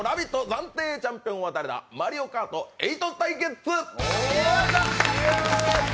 暫定チャンピオンは誰だ、「マリオカート８」対決。